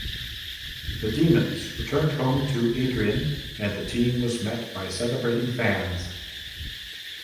The Demons returned home to Adrian and the team was met by celebrating fans.